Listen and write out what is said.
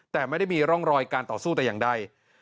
แต่ไม่ได้มีร่องรอยการต่อสู้แต่อย่างใด